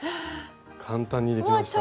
簡単にできました。